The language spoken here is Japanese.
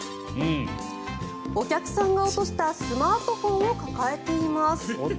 お客さんが落としたスマートフォンを抱えています。